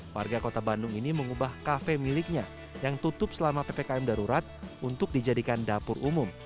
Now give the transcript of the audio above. warga kota bandung ini mengubah kafe miliknya yang tutup selama ppkm darurat untuk dijadikan dapur umum